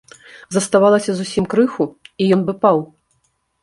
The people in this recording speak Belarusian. Заставалася зусім крыху, і ён бы паў.